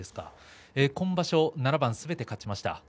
今場所は７番すべて勝ちました。